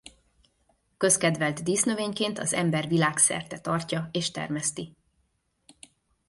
Közkedvelt dísznövényként az ember világszerte tartja és termeszti.